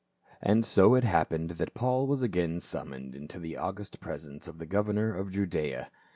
And so it happened that Paul was again summoned into the august presence of the governor of Judaea.